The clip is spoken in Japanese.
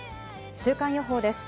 週間予報です。